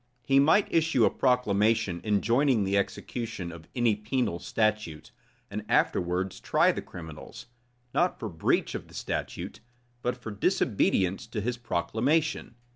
He might issue a proclamation enjoining the execution of any penal statute, and afterwards try the criminals, not for breach of the statute, but for disobedience to his proclamation.